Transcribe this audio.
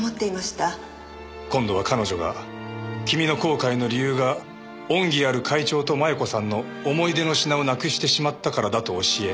今度は彼女が君の後悔の理由が恩義ある会長と摩耶子さんの思い出の品をなくしてしまったからだと教え。